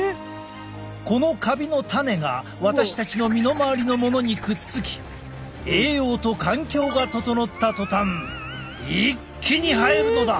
このカビの種が私たちの身の回りのものにくっつき栄養と環境が整った途端一気に生えるのだ。